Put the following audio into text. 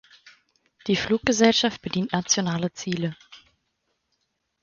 Die Fluggesellschaft bedient nationale Ziele.